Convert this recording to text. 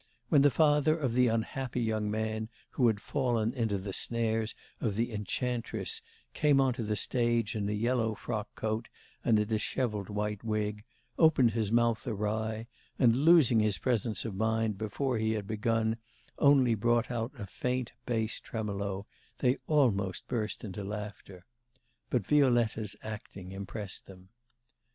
When the father of the unhappy young man who had fallen into the snares of the enchantress came on to the stage in a yellow frock coat and a dishevelled white wig, opened his mouth awry, and losing his presence of mind before he had begun, only brought out a faint bass tremolo, they almost burst into laughter. ... But Violetta's acting impressed them.